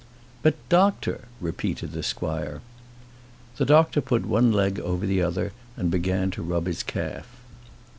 "But, doctor," repeated the squire. The doctor put one leg over the other, and began to rub his calf.